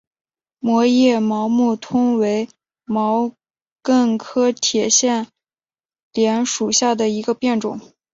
膜叶毛木通为毛茛科铁线莲属下的一个变种。